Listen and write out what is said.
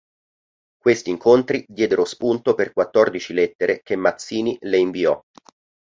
Questi incontri diedero spunto per quattordici lettere che Mazzini le inviò.